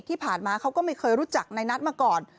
ที่ผ่านมาเขาก็ไม่เคยรู้จักในนัทมาก่อน